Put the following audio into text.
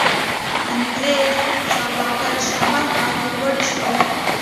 انګرېز سوداګر شتمن او پیاوړي شول.